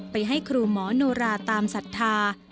ไปให้ครูหมอโนราตามศรัทธา